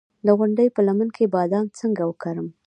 د غونډۍ په لمن کې بادام څنګه وکرم؟